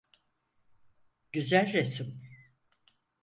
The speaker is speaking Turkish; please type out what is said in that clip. Güzel resim.